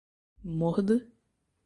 Mohd.